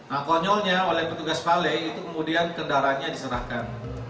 nah konyolnya oleh petugas vale itu kemudian kendaraannya diserahkan